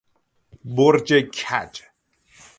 برج کج